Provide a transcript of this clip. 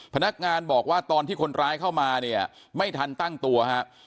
พนักงานบอกว่าตอนที่คนร้ายเข้ามาเนี่ยไม่ทันตั้งตัวฮะ